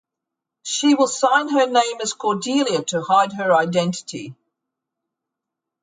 She will sign her name as "Cordelia" to hide her identity.